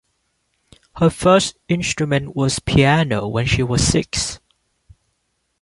Her first instrument was piano when she was six.